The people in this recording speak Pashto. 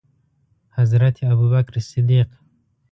حضرت ابوبکر صدیق